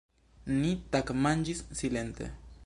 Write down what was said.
Ni tagmanĝis silente.